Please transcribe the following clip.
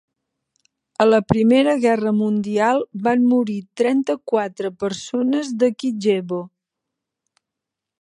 A la Primera Guerra Mundial van morir trenta-quatre persones de Kijevo.